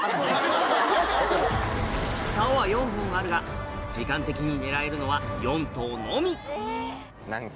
竿は４本あるが時間的に狙えるのは４投のみ何か。